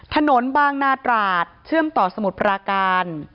ถนนบางนาตราดเชื่อมต่อสมุทรปราการ